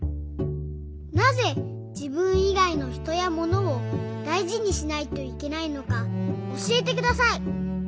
なぜじぶんいがいのひとやものをだいじにしないといけないのかおしえてください。